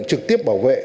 trực tiếp bảo vệ